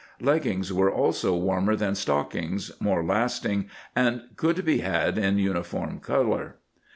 * Leggings were also warmer than stockings, more lasting, and could be had in uniform color.